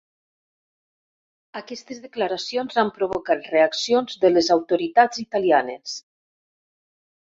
Aquestes declaracions han provocat reaccions de les autoritats italianes.